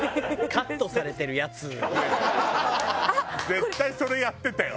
絶対それやってたよ。